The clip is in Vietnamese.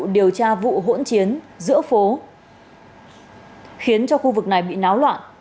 điều tra vụ hỗn chiến giữa phố khiến cho khu vực này bị náo loạn